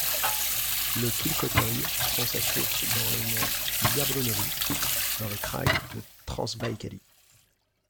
Le Khilkotoï prend sa source dans les monts Iablonovy, dans le kraï de Transbaïkalie.